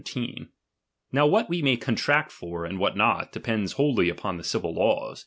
Now what we may contract for, and what not, depends wholly upon the civil laws.